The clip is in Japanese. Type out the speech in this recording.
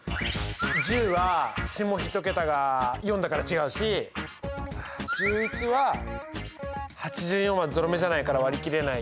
１０は下１桁が４だから違うし１１は８４はゾロ目じゃないから割り切れないよね。